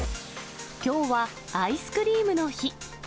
きょうはアイスクリームの日。